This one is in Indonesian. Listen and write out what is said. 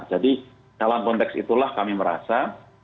jadi dalam konteks itulah kami merasa